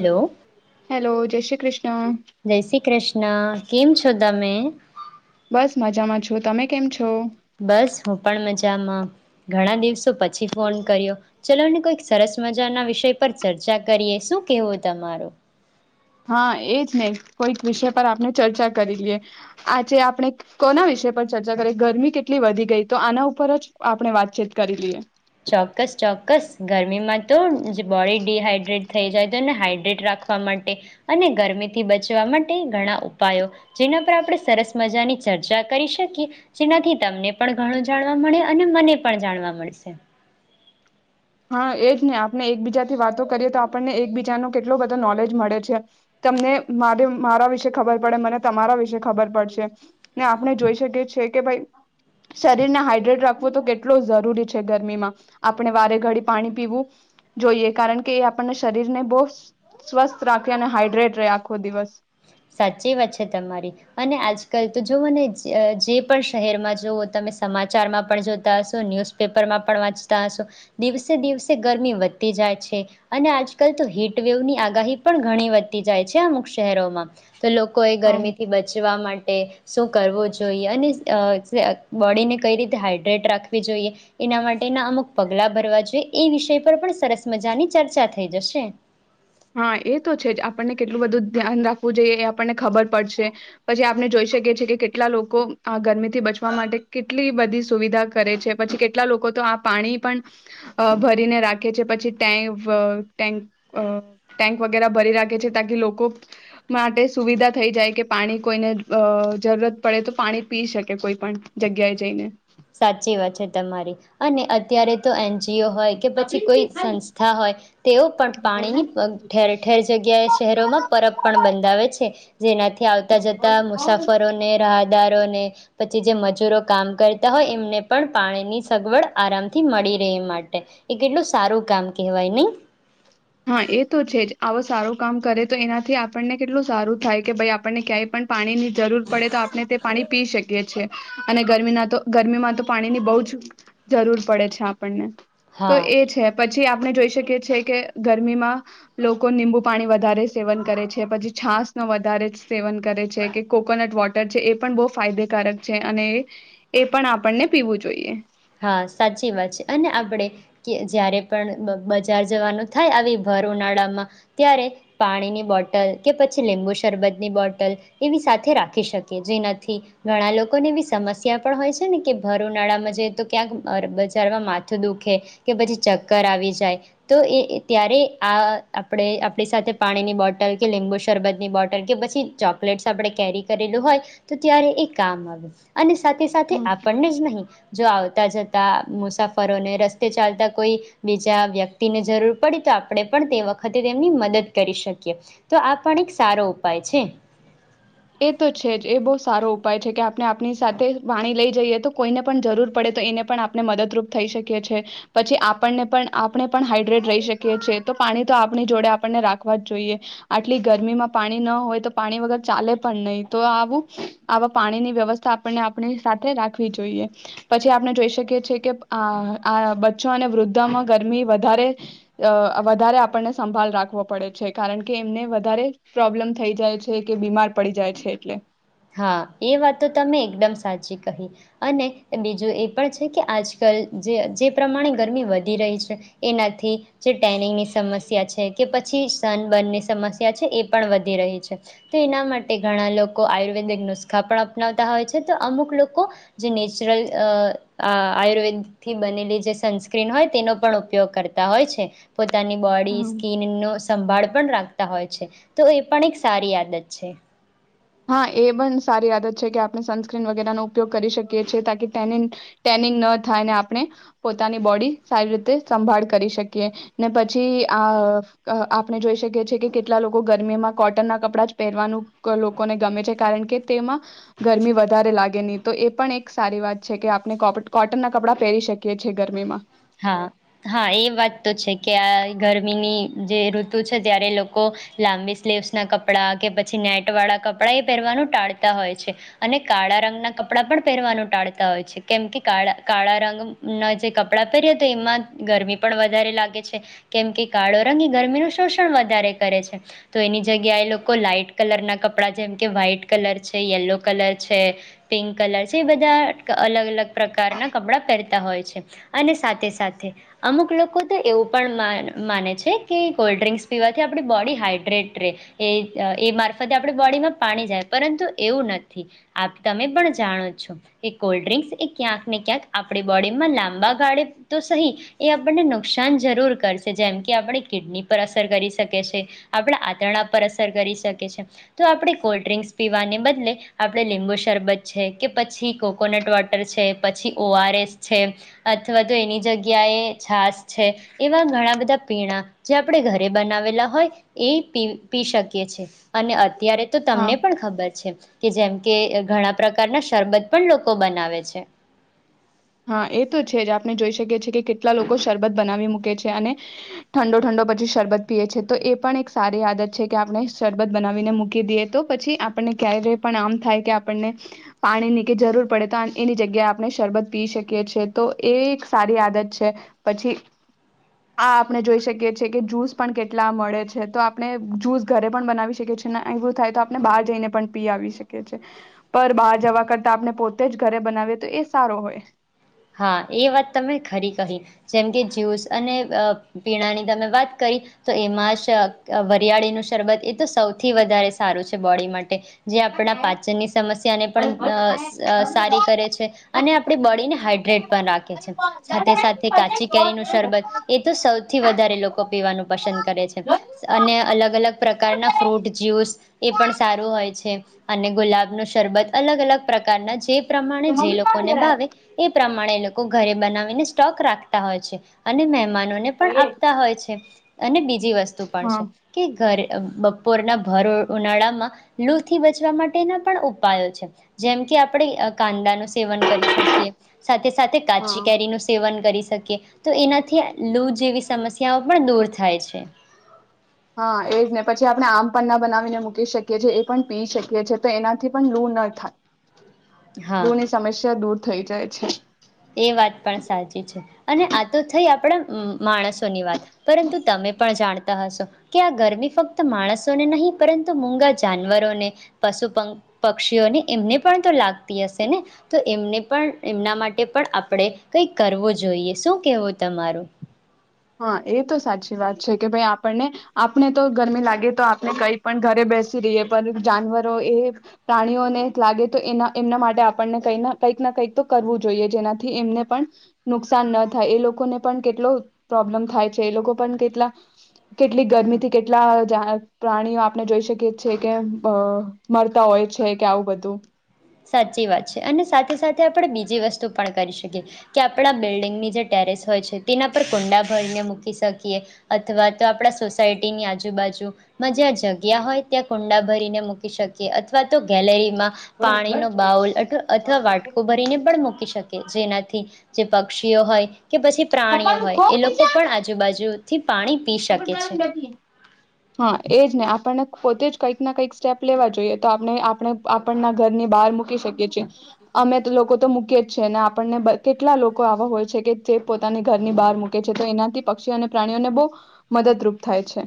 Hello hello જય શ્રી કૃષ્ણ જય શ્રી કૃષ્ણ. કેમ છો તમે? બસ મજામાં છું, તમે કેમ છો? બસ હું પણ મજામાં, ઘણા દિવસો પછી ફોન કર્યો, ચલોને કોઈક સરસ મજાના વિષય પર ચર્ચા કરીએ, શું કેવું તમારું? હા એજ ને કોઈક વિષય પર આપણે ચર્ચા કરી લઈએ, આજે આપણે કોના વિષય પર ચર્ચા કરીએ? ગરમી કેટલી વધી ગઈ તો આના ઉપર જ આપણે વાતચીત કરી લઈએ. ચોક્કસ ચોક્કસ ગરમીમાં તો બોડી ડીહાઈડ્રેટ થઈ જાય તો એને હાઈડ્રેટ રાખવા માટે અને ગરમીથી બચવા માટે ઘણા ઉપાયો જેના પર આપણે સરસ મજાની ચર્ચા કરી શકીએ જેનાથી તમને પણ ઘણું જાણવા મળે અને મને પણ જાણવા મળશે. હા એજને આપણે એકબીજાથી વાતો કરીએ તો આપણને એકબીજાનો કેટલો બધો નોલેજ મળે છે તમને મારે મારા વિશે ખબર પડે મને તમારા વિશે ખબર પડશે ને આપણે જોઈ શકીએ છીએ કે ભાઈ શરીરને હાઈડ્રેટ રાખવું તો કેટલો જરૂરી છે ગરમીમાં. આપણે વારે ઘડી પાણી પીવું જોઈએ કારણ કે એ આપણને શરીરને બહુ સ્વસ્થ રાખે અને હાઈડ્રેટ રહે આખો દિવસ. સાચી વાત છે તમારી અને આજકાલ તો જો મને જે પણ શહેરમાં જુવો તમે સમાચારમાં પણ જોતા હશો, ન્યૂઝપેપરમાં પણ વાંચતા હશો, દિવસે દિવસે ગરમી વધતી જાય છે અને આજકાલ તો હીટવેવની આગાહી પણ ઘણી વધતી જાય છે અમુક શહેરોમાં. તો લોકોએ હ ગરમીથી બચવા માટે શું કરવું જોઈએ અને બોડીને કઈ રીતે હાઈડ્રેટ રાખવી જોઈએ, એના માટેના અમુક પગલા ભરવા જોઈએ. એ વિષય પર પણ સરસ મજાની ચર્ચા થઈ જશે. હા એ તો છે જ આપણને કેટલું બધું ધ્યાન રાખવું જોઈએ એ આપણને ખબર પડશે. પછી આપણે જોઈ શકીએ છીએ કે કેટલા લોકો આ ગરમીથી બચવા માટે કેટલી બધી સુવિધા કરે છે, પછી કેટલા લોકો તો આ પાણી પણ ભરીને રાખે છે, પછી ટેન્ક-અ-ટેન્ક ટેન્ક વગેરા ભરી રાખે છે તાકી લોકો માટે સુવિધા થઈ જાય કે પાણી કોઈને અ-જરૂરત પડે તો પાણી પી શકે કોઈ પણ જગ્યાએ જઈને સાચી વાત છે તમારી અને અત્યારે તો એન જી ઓ હોય કે પછી કોઈ સંસ્થા હોય તેઓ પણ પાણીની ઠેર ઠેર જગ્યાએ શહેરોમાં પરબ પણ બંધાવે છે. જેનાથી આવતા જતા મુસાફરોને રાહત દારોને જ પછી જે મજૂરો કામ કર તા હોય એમને પણ પાણીની સગવડ આરામથી મળી રહે એ માટે. એ કેટલું સારું કામ કેહેવાય નહી? હા એ તો છે જ આવો સારું કામ કરે તો એનાથી આપણને કેટલું સારું થાય કે ભાઈ આપણને ક્યાંય પણ પાણીની જરૂર પડે તો આપણે તે પાણી પી શકીએ છીએ અને ગરમીના તો ગરમીમાં તો પાણીની બહુ જ જરૂર પડે છે આપણને. તો હા એ છે પછી આપણે જોઈ શકીએ છીએ કે ગરમીમાં લોકો લીંબુ પાણી વધારે સેવન કરે છે, પછી છાસ ન વધારે સેવન કરે છે કે કોકોનટ વોટર છે એ પણ બહુ ફાયદેકારક છે અને એ પણ આપણને પીવું જોઈએ. હા સાચી વાત છે અને આપણે જ્યારે પણ બ-બજાર જવાનું થાય આવી ભર ઉનાળામાં ત્યારે પાણીની બોટલ કે પછી લીંબુ શરબતની બોટલ એવી સાથે રાખી શકીએ, જેનાથી ઘણા લોકોને એવી સમસ્યા પણ હોય છે ને કે ભર ઉનાળામાં જઈએ તો ક્યાંક બજારમાં માથું દુખે કે પછી ચક્કર આવી જાય તો એ ત્યારે આ આપણે આપણી સાથે પાણીની બોટલ કે લીંબુ શરબત ની બોટલ કે પછી ચોકલેટ્સ આપણે કેરી કરેલું હોય તો ત્યારે એ કામ આવે અને સાથે સાથે આપણને જ નહીં જો આવત જતા જતા મુસાફરોને રસ્તે ચાલતા કોઈ બીજા વ્યક્તિને જરૂર પડી તો આપણે પણ તે વખતે તેમની મદદ કરી શકીએ, તો આ પણ એક સારો ઉપાય છે. એ તો છે જ એ બહુ સારો ઉપાય છે કે આપણે આપણી સાથે પાણી લઈ જઈએ તો કોઈને પણ જરૂર પડે તો એને પણ આપણે મદદરૂપ થઈ શકીએ છીએ. પછી આપણને પણ આપણે પણ હાઈડ્રેટ રહી શકીએ છીએ, તો પાણી તો આપણી જોડે આપણને રાખવા જ જોઈએ. આટલી ગરમીમાં પાણી ન હોય તો પાણી વગર ચાલે પણ નહી. તો આવું આવા પાણીની વ્યવસ્થા આપને આપણી સાથે રાખવી જોઈએ. પછી આપણે જોઈ શકીએ છીએ કે આ-આ-બચ્ચો અને વૃદ્ધામાં ગરમી વધારે વધારે આપણને સંભાળ રાખવો પડે છે કારણ કે એમને વધારે પ્રોબ્લેમ થઈ જાય છે કે બીમાર પડી જાય છે એટલે હા એ વાતો તમે એકદમ સાચી કહી અને બીજું એ પણ છે કે આજકાલ જે જે પ્રમાણે ગરમી વધી રહી છે એનાથી જે ટેનિંગની સમસ્યા છે કે પછી સનબર્નની સમસ્યા છે એ પણ વધી રહી છે તો એના માટે ઘણા લોકો આયુર્ [unintelligible] નુસ્ખા પણ અપનાવતા હોય છે તો અમુક લોકો જે નેચરલ અ આયુર્વેદથી બનેલી જે સનસ્ક્રીન હોય તેનો પણ ઉપયોગ કરતા હોય છે. પોતાની બોડી સ્કીનનો સંભાળ પણ રાખતા હોય છે તો એ પણ એક સારી આદત છે. હા એ પણ સારી આદત છે કે આપણે સનસ્ક્રીન વગેરેનો ઉપયોગ કરી શકીએ છીએ તાકી ટેનીન ટેનિંગ ન થાય ને આપણે પોતાની બોડી સારી રીતે સંભાળ કરી શકીએ ને પછી આ અ આપણે જોઈ શકીએ છીએ કે કેટલા લોકો ગરમીમાં કોટનના કપડાં જ પહેરવાનું [unintelligible] કોને ગમે છે કારણ કે તેમાં ગરમી વધારે લાગે ની તો એ પણ એક સારી વાત છે કે આપણે કો કોટન ના કપડાં પહેરી શકીએ છીએ ગરમીમાં. હા હા એ વાત તો છે કે આ ગરમીની જે ઋતુ છે ત્યારે લોકો લાંબી સ્લીવસ ના કપડાં કે પછી નેટ વાળા કપડાં એ પહેરવાનું ટાળતા હોય છે અને કાળા રંગના કપડાં પણ પહેરવાનું ટાળતા હોય છે કેમ કે કાળ કાળા રંગન જે કપડાં પહેરીએ તો એમાં ગરમી પણ વધારે લાગે છે કેમ કે કાળો રંગ એ ગરમીનું શોષણ વધારે કરે છે તો એની જગ્યાએ લોકો લાાઈટ કલરના કપડાં જેમ કે વ્હાઈટ કલર છે યલો કલર છે પિંક કલર છે એ બધા અલગ અલગ પ્રકારના કપડાં પહેરતા હોય છે. અને સાથે સાથે અમુક લોકો તો એવું પણ મા માને છે કે કોલ્ડ્રિંક્સ પીવાથી આપણી બોડી હાાઈડ્રેટ રહેે એ એ મારફતે આપણી બોડીમાં પાણી જાય પરંતુ એવું નથી આપ તમે પણ જાણો છો કે કોલ્ડ્રિંક્સ એ ક્યાંક ને ક્યાંક આપણી બોડીમાં લાંબા ડે તો સહી એ આપણને નુકસાન જરૂર કરશે જેમ કે આપણી કિડની પર અસર કરી શકે છે આપણા આંતરણા પર અસર કરી શકે છે તો આપણે કોલ્ડ ડ્રિંક્સ પીવાને બદલે આપણે લીંબુ શરબત છે કે પછી કોકોનટ વોટર છે પછી ઓ આર એસ છે. અથવા તો એની જગ્યાએ છાસ છે એવા ઘણા બધા પીણાં જે આપણે ઘરે બનાવેલા હોય એ પી પી શકીએ છેએ અને અત્યારે તો હા તમને પણ ખબર છે કે જેમ કે ઘણા પ્રકારના શરબત પણ લોકો બનાવે છે. હા એ તો છે જ આપણે જોઈ શકીએ છીએ કે કેટલા લોકો શરબત બનાવી મૂકે છે અને ઠંડો ઠંડો પછી શરબત પીએ છ છે તો એ પણ એક સારી આદત છે કે આપણે શરબત બનાવીને મૂકી દઈએ તો પછી આપણને ક્યારે પણ આમ થાય કે આપણને પાણીની કે જરૂર પડે તો એની જગ્યાએ આપણે શરબત પી શકી છેએ તો એ એક સારી આદત છે પછી આ આપણે જોઈ શકીએ છીએ કે જ્યૂસ પણ કેટલા મળે છે તો આપણે જ્યૂસ ઘરે પણ બનાવી શકીએ છીએ એવું થાય તો આપણે બહાર જઈને પણ પી આવી શકીએ છીએ પર બહાર જવા કરતા આપણે પોતે જ ઘરે બનાવીએ તો એ સારો હોય. હા એ વાત તમે ખરી કહી જેમ કે જ્યુસ અને અ પીણાની તમે વાત કરી તો એમાં શ વરિયાળીનું શરબત એ તો સૌથી વધારે સારું છે બોડી માટે જે આપણા પાચનની સમસ્યા ને પણ અ સ સારી કરે છે અને આપણે બળીને બ્લેડ પણ રાખ [unintelligible] સાથે સાથે કાચી કેરી નું શરબત એ તો સૌથી વધારે લોકો લોકો પીવાનું પસંદ કરે છે અને અલગ અલગ પ્રકારના ફ્રૂટ જ્યુસ એ પણ સારું હોય છે અને ગુલાબનું શરબત અલગ અલગ પ્રકારના જે પ્રમાણે જે લોકોને ભાવે એ પ્રમાણે લોકો ઘરે બનાવીને સ્ટોક રાખતા હોય છે અને મહેમાન અને પણ આપતા હોય છે અને બીજી વસ્તુ પણ છે કે ઘર બપોરના ભર ઉનાળામાં લૂ થી બચવા માટેના પણ ઉપાયો છે જેમ કે આપણે કાંદાનું સેવન કરી શકીએ. સાથે સાથે કાચી કેરી નું સેવન કરી શકે તો એનાથી લુ જેવી સમસ્યાઓ પણ દૂર થાય છે. હા એ જ ને પછી આપણે આમ પન્ના બનાવીને મૂકી શકીએ છીએ એ પણ પી શકીએ છેએ તો એનાથી પણ લૂ ન થાય. હા લૂ ની સમસ્યા દૂર થઈ જાય છે એ વાત પણ સાચી છે અને આ તો થઈ આપ પણે માણસોની વાત પરંતુ તમે પણ જાણતા હશો કે આ ગરમી ફક્ત માણસોને નહીં પરંતુ મુંગા જાનવરોને પશુ પંક પક્ષીઓને એમને પણ તો લાગતી હશે ને તો એમને પણ એમના માટે પણ આપણે કઈ કરવું જોઈએ શું કેવું તમારું. હા એ તો સાચી વાત છે કે ભાઈ આપણને આપણે તો ગરમી લાગી તો આપણે કંઈ પણ ઘરે બેસી રહીએ પણ જાનવરો એ પ્રાણીઓને લાગે તો એના એમના માટે આપણને કંઈ કંઈક ના કંઈક તો કરવું જોઈએ જેનાથી એમને પણ નુકસાન ન થાય એ લોકોને પણ કેટલો પ્રોબ્લેમ થાય છે એ લોકો પણ કેટલા કેટલી ગરમીથી કેટલા જા પ્રાણીઓ આપણે જોઈ શકીએ છે કે અ મરતા હોય છે કે આવું બધું સાચી વાત છે અને સાથે સાથે આપણે બીજી વસ્તુ પણ કરી શકીએ કે આપણા બિલ્ડિંગની જે ટેરેસ હોય છે તેના પર કુંડા ભરીને મૂકી શકીએ અથવા તો આપણા સોસાયટીની આજુબાજુમાં જ્યાં જગ્યા હોય ત્યાં કુંડા ભરીને મૂકી શકીએ અથવા તો ગેલેરીમાં પાણી ન બાઉલ અથ અથવા વાટકો ભરીને પણ મૂકી શકે. જેનાથી જે પક્ષીઓ હોય કે પછી પ્રાણીઓ હોય એ લોકો પણ આજુબાજુ [inaudible] હા એજ ને આપણને. પોતે જ કંઈક ના કંઈક સ્ટેપ લેવા જોઈએ. તો આપણે આપણે આપણના ઘરની બહાર મૂકી શકીએ છીએ. અમે લોકો તો મૂકી જ છે. ને આપણને કેટલા લોકો આવા હોય છે કે, જે પોતાની ઘરની બહાર મૂકે છે. તો એનાથી પક્ષીઓ અને પ્રાણીઓને બહ મદદરૂપ થાય છે.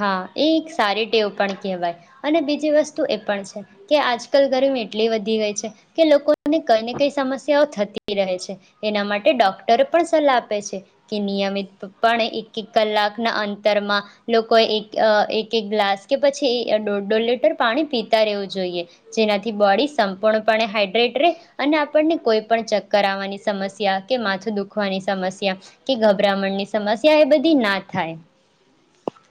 હા, એ એક સારી ટેવ પણ કહેવાય. અને બીજી વસ્તુ એ પણ છે કે, આજકાલ ગરમી એટલી વધી ગઈ છે કે, લોકોને કઈ ને કઈ સમસ્યાઓ થતી રહે છે. એના માટે ડોક્ટરો પણ સલાહ આપે છે કે, નિયમિતપણે એક એક કલાકના અંતરમાં લોકોએ એક [unintelligible] એક એક ગ્લાસ કે, પછી દોઢ દોઢ લીટર પાણી પીતા રહેવું જોઈએ. જેનાથી બોડી સંપૂર્ણપણે હાડ [unintelligible] અને આપણને કોઈ પણ ચક્કર આવવાની સમસ્યા, કે માથું દુખવાની સમસ્યા, કે ગભરામણની સમસ્યા એ બધી ના થાય.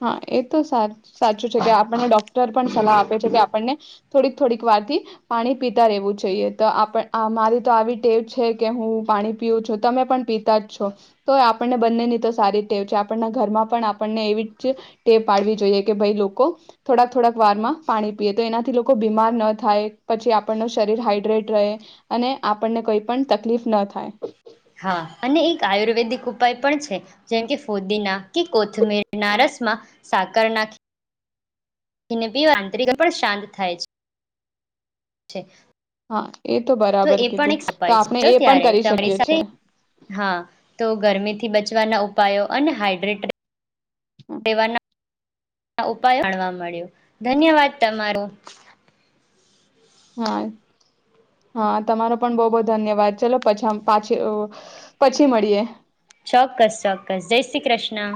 હા. એ તો સાચું છે કે, આપણને ડોક્ટર પણ સલાહ આપે છે કે, આપણને થોડીક થોડીક વારથી પાણી પીતા રહેવું જોઈએ. તો, આપ મારી તો આવી ટેવ છે કે હું પાણી પીવું છું. તમે પણ પીતા જ છો. તો, આપણને બંનેની તો સારી ટેવ છે. આપણના ઘરમાં પણ આપણને એવી ટેવ પાડવી જોઈએ. કે ભાઈ લોકો થોડાક થોડાક વારમાં પાણી પીએ. તો, એનાથી લોકો બીમાર ન થાય. પછી આપણ ને શરીર હાઈડ્રેટ રહે. અને આપણને કોઈ પણ તકલીફ ન થાય. હા. અને એક આયુર્વેદિક ઉપાય પણ છે. જેમકે, ફોદીના કે કોથમીર ના રસમાં સાકર ના [unintelligible] આંતર પણ શાંત થાય છે. છે. હા! એ તો બરાબર એ પણ કીધું. એક તો, ઉપાય છે આપણે એ પણ ત્યારે કરી તમારી શકીએ સાથે છે. થી બચવાના ઉપાયો અને હાઇડ્રેટ તેવાના [unintelligible] ઉપાય [unintelligible] જાણવા મળ્યું. ધન્યવાદ તમારો. હા! હા! તમારો પણ બહુ બહુ ધન્યવાદ. ચલો, [unintelligible] પછી મળીએ. ચોક્કસ. ચોક્કસ. જય શ્રી કૃષ્ણ.